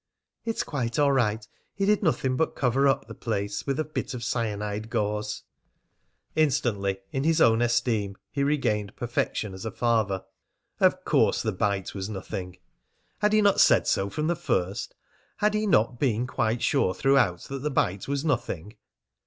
"It's quite all right. He did nothing but cover up the place with a bit of cyanide gauze." Instantly, in his own esteem, he regained perfection as a father. Of course the bite was nothing! Had he not said so from the first? Had he not been quite sure throughout that the bite was nothing?